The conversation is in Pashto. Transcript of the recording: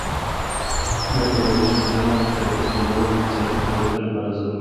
د ټولنیزو خدماتو کیفیت لوړول د اقتصادي پیاوړتیا لپاره ضروري دي.